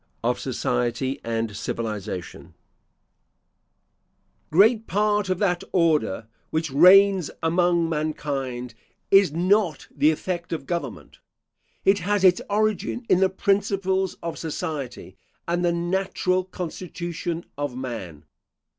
OF SOCIETY AND CIVILISATION Great part of that order which reigns among mankind is not the effect of government. It has its origin in the principles of society and the natural constitution of man.